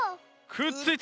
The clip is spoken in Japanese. くっついた！